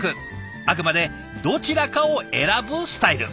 あくまでどちらかを選ぶスタイル。